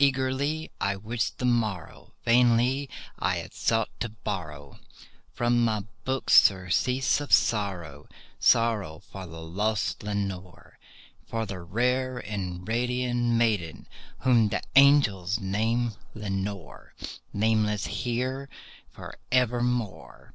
Eagerly I wished the morrow;—vainly I had sought to borrow From my books surcease of sorrow—sorrow for the lost Lenore— For the rare and radiant maiden whom the angels name Lenore— Nameless here for evermore.